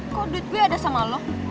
kok duit gue ada sama lo